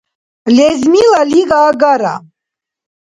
Лезмила лига агара.